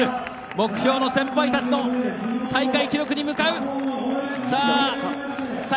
目標の先輩たちの大会記録に向かう。